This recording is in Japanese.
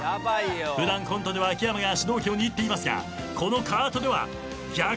普段コントでは秋山が主導権を握っていますがこのカートでは逆。